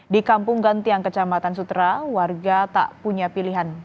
di kampung gantiang kecamatan sutra warga tak punya pilihan